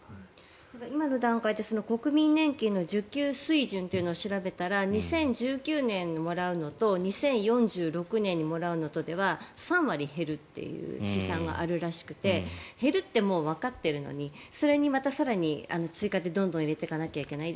今の段階で国民年金の受給水準というのを調べたら２０１９年にもらうのと２０４６年にもらうのとでは３割減るという試算があるらしくて減るってもうわかっているのにそれにまた更に追加でどんどん入れていかないといけない。